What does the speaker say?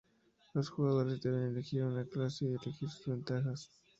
Los jugadores deben elegir una clase y elegir sus ventajas.